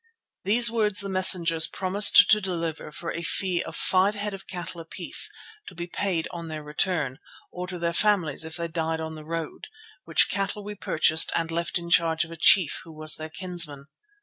These words the messengers promised to deliver for a fee of five head of cattle apiece, to be paid on their return, or to their families if they died on the road, which cattle we purchased and left in charge of a chief, who was their kinsman.